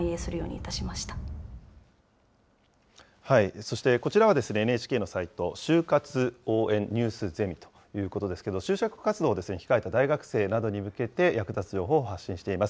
そしてこちらはＮＨＫのサイト、就活応援ニュースゼミということですけど、就職活動を控えた大学生などに向けて、役立つ情報を発信しています。